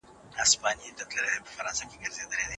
دومره ښه او لوړ